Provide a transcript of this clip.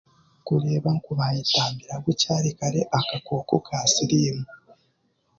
Kureeba ngu bayetambira bukyari kare akakooko ka siriimu